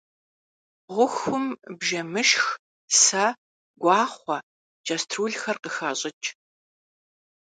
Ğuxum bjjemışşx, se, guaxhue, ç'estrulxer khıxaş'ıç'.